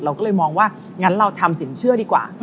เราก็เลยมองว่างั้นเราทำสินเชื่อดีกว่า